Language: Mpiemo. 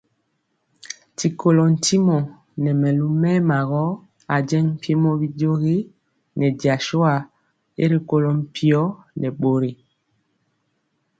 Ti kolɔ ntimɔ nɛ mɛlu mɛɛma gɔ ajeŋg mpiemɔ bijogi nɛ jasua y rikolɔ mpio nɛ bori.